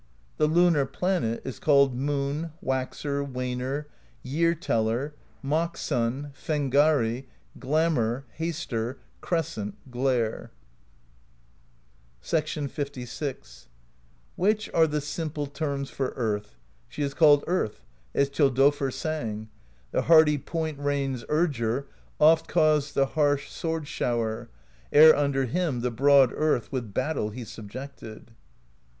The lunar planet is called Moon, Waxer, Waner, Year Teller, Mock Sun, Fengari,^ Glamour, Haster, Crescent, Glare. LVL "Which are the simple terms for Earth? She is called Earth, as Thjodolfr sang: The hardy Point Rain's Urger Oft caused the harsh sword shower. Ere under him the broad Earth With battle he subjected.